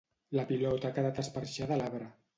La pilota ha quedat esperxada a l'arbre